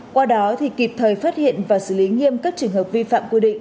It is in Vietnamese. qua đó thì kịp thời phát hiện và xử lý nghiêm các trường hợp vi phạm quy định